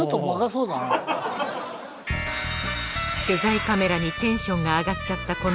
取材カメラにテンションが上がっちゃった